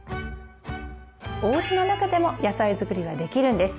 おうちの中でも野菜づくりはできるんです。